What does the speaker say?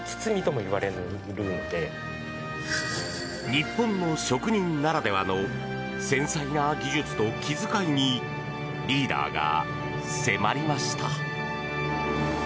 日本の職人ならではの繊細な技術と気遣いにリーダーが迫りました。